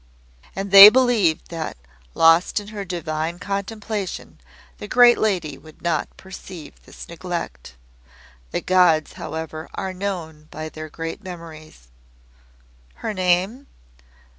And they believed that, lost in Her divine contemplation, the Great Lady would not perceive this neglect. The Gods however are known by their great memories." "Her name?"